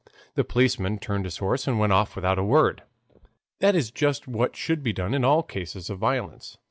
The policeman turned his horse and went off without a word. That is just what should be done in all cases of violence.